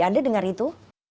anda dengar itu